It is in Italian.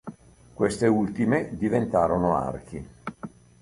Queste ultime diventarono archi.